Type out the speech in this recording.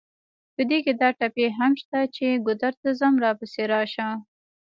په دې کې دا ټپې هم شته چې: ګودر ته ځم راپسې راشه.